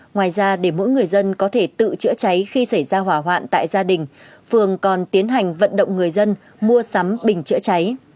ngoài ra để mỗi người dân có thể tự chữa cháy khi xảy ra hỏa hoạn tại gia đình phường còn tiến hành vận động người dân mua sắm bình chữa cháy